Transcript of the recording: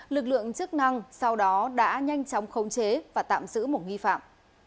lực lượng chức năng sau đó đã nhanh chóng khống chế và tạm giữ một nghi phạm